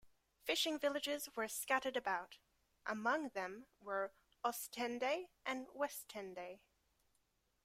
Fishing villages were scattered about, among them were Oostende and Westende.